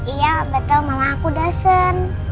iya betul mama aku dosen